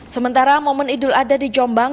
sementara momen idul adha di jombang